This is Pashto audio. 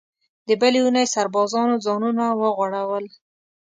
د بلې اوونۍ سربازانو ځانونه وغوړول.